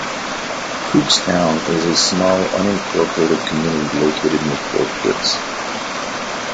Cookstown is a small unincorporated community located near Fort Dix.